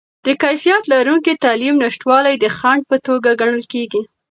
د کیفیت لرونکې تعلیم نشتوالی د خنډ په توګه ګڼل کیږي.